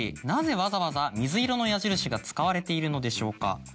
なぜわざわざ水色の矢印が使われているのでしょうか？